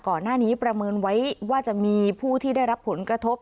ก่อนหน้านี้ประเมินไว้ว่าจะมีผู้ที่ได้รับผลกระทบ